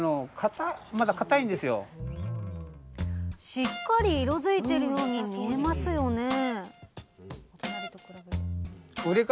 しっかり色づいてるように見えますよね？へ。